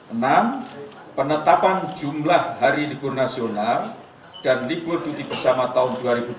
enam penetapan jumlah hari libur nasional dan libur cuti bersama tahun dua ribu dua puluh